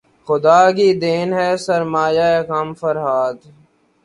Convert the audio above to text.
خدا کی دین ہے سرمایۂ غم فرہاد